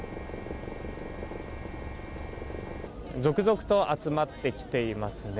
続々と集まってきていますね。